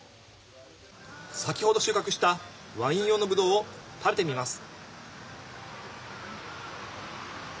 先ほど収穫したワイン用のブドウを食べてみます。